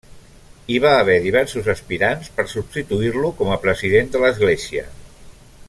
Hi va haver diversos aspirants per substituir-lo com a president de l'església.